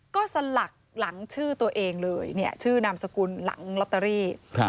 ก็สลักหลังชื่อตัวเองเลยเนี่ยชื่อนามสกุลหลังลอตเตอรี่